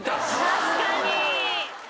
確かに！